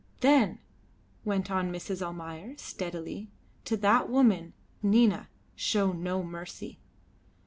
"Then," went on Mrs. Almayer, steadily, "to that woman, Nina, show no mercy."